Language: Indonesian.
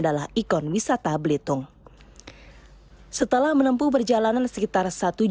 desain bulan berubah dan dalam arangan menunggu berada selama lima belas menit ngebet wuih